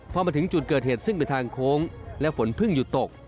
พอมาถึงจุดเกิดเหตุซึ่งเป็นทางโค้งและฝนเพิ่งหยุดตก